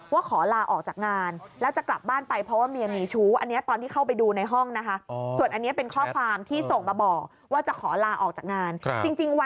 ว่าขอลาออกจากงานแล้วจะกลับบ้านไปเพราะว่าเมียมีชู้